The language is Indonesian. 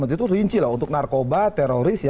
itu rinci untuk narkoba teroris